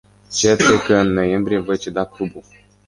Cert e că în noiembrie voi ceda clubul.